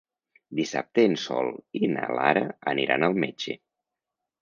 Dissabte en Sol i na Lara aniran al metge.